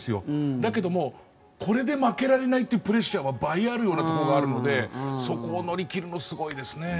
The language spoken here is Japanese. だけどもこれで負けられないというプレッシャーは倍あるようなところがあるのでそこを乗り切るのはすごいですよね。